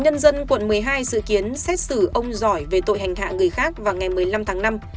nhân dân quận một mươi hai dự kiến xét xử ông giỏi về tội hành hạ người khác vào ngày một mươi năm tháng năm